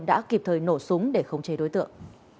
đã kịp thời nổ súng để khống chế đối tượng